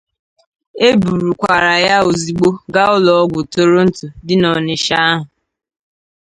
E burukwara ya ozigbo gaa ụlọọgwụ Toronto dị n'Ọnịtsha ahụ